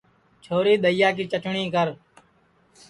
چھوری دؔئیا کی چٹٹؔی کر